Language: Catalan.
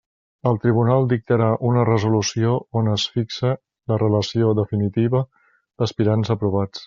El tribunal dictarà una resolució on es fixe la relació definitiva d'aspirants aprovats.